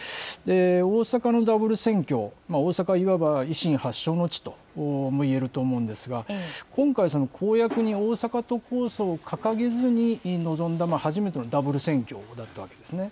大阪のダブル選挙、大阪は、いわば維新の発祥の地ともいえると思うんですが、今回、公約に大阪都構想を掲げずに臨んだ、初めてのダブル選挙だったわけですね。